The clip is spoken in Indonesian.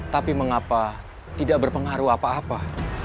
tapi mengapa tidak berpengaruh apa apa